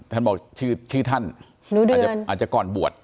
ท่านบอกชื่อท่านอาจจะก่อนบวช